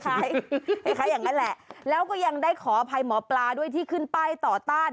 คล้ายอย่างนั้นแหละแล้วก็ยังได้ขออภัยหมอปลาด้วยที่ขึ้นป้ายต่อต้าน